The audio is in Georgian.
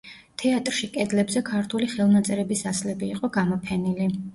თეატრში კედლებზე ქართული ხელნაწერების ასლები იყო გამოფენილი.